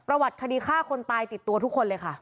คดีฆ่าคนตายติดตัวทุกคนเลยค่ะ